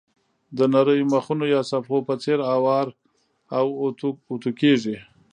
د نریو مخونو یا صفحو په څېر اوار او اوتو کېږي.